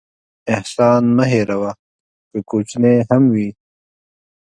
احسان مه هېروه، که کوچنی هم وي.